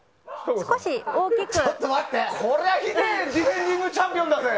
これはひでえディフェンディングチャンピオンだぜ！